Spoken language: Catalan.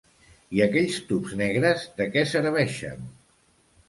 I aquells tubs negres, de què serveixen?